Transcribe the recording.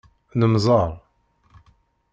Nemmẓer.